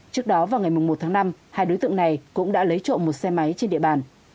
trước đó vào ngày một tháng năm hai đối tượng này cũng đã lấy trộm một xe máy trên địa bàn